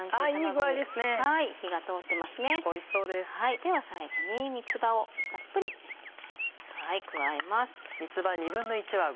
では最後に三つ葉をたっぷり加えます。